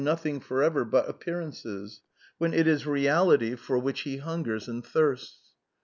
^ V^nothing for ever but appearances, when it is reality for ^ which he hungers and thirsts.